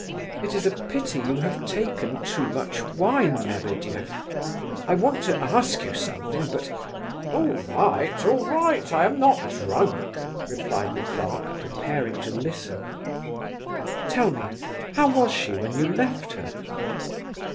"It is a pity you have taken too much wine, Lebedeff I want to ask you something... but..." "All right! all right! I am not drunk," replied the clerk, preparing to listen. "Tell me, how was she when you left her?"